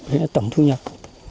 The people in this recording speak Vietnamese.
thế là tổng thu nhập